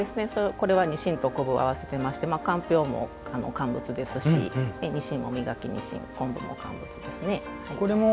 これはにしんと昆布を合わせてましてかんぴょうも乾物ですしにしんも、身欠きにしん昆布も乾物ですね。